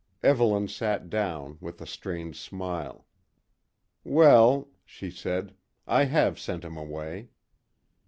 Evelyn sat down with a strained smile. "Well," she said, "I have sent him away."